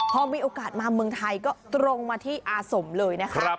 พอมีโอกาสมาเมืองไทยก็ตรงมาที่อาสมเลยนะคะ